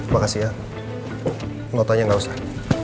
makasih ya notanya nggak usah